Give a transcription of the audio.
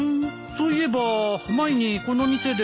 そういえば前にこの店で。